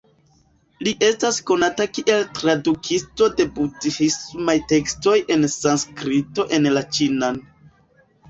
Li estas konata kiel tradukisto de budhismaj tekstoj el Sanskrito en la ĉinan.